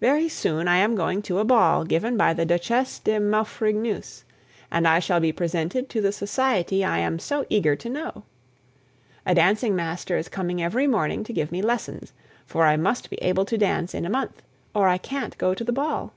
Very soon I am going to a ball given by the Duchesse de Maufrigneuse, and I shall be presented to the society I am so eager to know. A dancing master is coming every morning to give me lessons, for I must be able to dance in a month, or I can't go to the ball.